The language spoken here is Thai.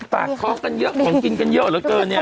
ปากท้องกันเยอะของกินกันเยอะเหลือเกินเนี่ย